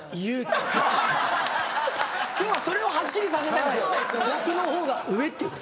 今日はそれをはっきりさせたいんですよね。